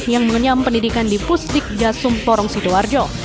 yang mengenyam pendidikan di pusdik jasum porong sidoarjo